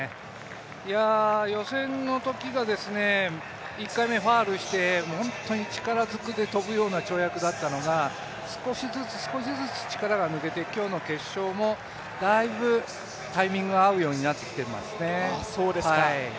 予選のときが１回目ファウルして本当に力ずくで跳ぶ跳躍だったのが少しずつ少しずつ力が抜けて今日の決勝もだいぶタイミングが合うようになってきていますね。